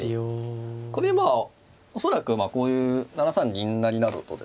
これでまあ恐らくこういう７三銀成などとですね